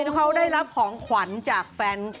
เขาได้รับของขวัญจากแฟน